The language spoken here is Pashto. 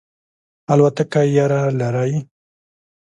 الوتکه یره لرئ؟